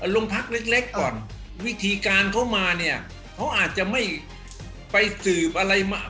โรงพักเล็กก่อนวิธีการเขามาเนี่ยเขาอาจจะไม่ไปสืบอะไรมา